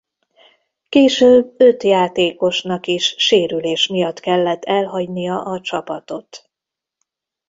Később öt játékosnak is sérülés miatt kellett elhagynia a csapatot.